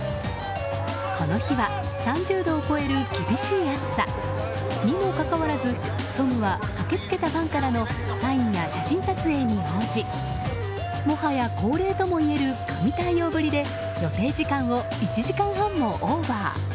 この日は３０度を超える厳しい暑さ。にもかかわらずトムは駆けつけたファンからのサインや写真撮影に応じもはや恒例ともいえる神対応ぶりで予定時間を１時間半もオーバー。